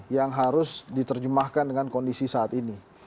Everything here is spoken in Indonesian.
yang harus diterjemahkan dengan kondisi saat ini